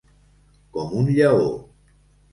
Com un lleó.